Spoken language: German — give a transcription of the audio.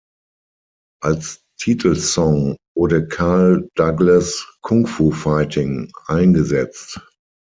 Als Titelsong wurde Carl Douglas’ "Kung Fu Fighting" eingesetzt.